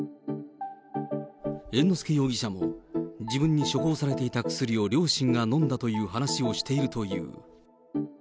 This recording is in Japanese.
猿之助容疑者も自分に処方されていた薬を両親が飲んだという話をしているという。